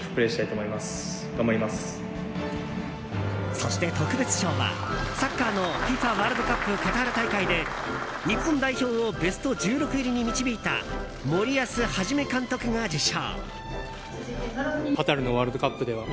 そして、特別賞はサッカーのＦＩＦＡワールドカップカタール大会で日本代表をベスト１６入りに導いた森保一監督が受賞。